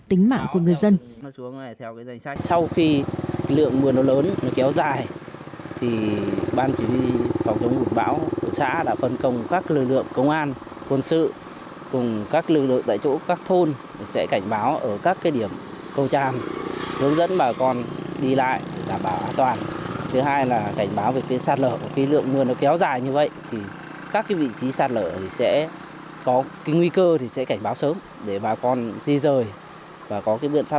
tính mạng của người dân